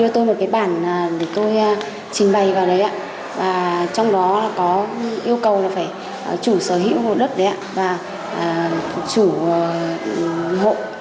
tôi trình bày vào đấy ạ và trong đó có yêu cầu là phải chủ sở hữu hồ đất đấy ạ và chủ hộ